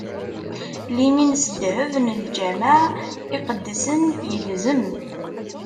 Limin s ddheb n lǧameɛ iqedsen ilzem.